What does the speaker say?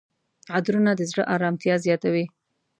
عطرونه د زړه آرامتیا زیاتوي.